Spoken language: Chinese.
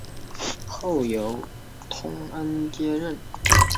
后由通恩接任。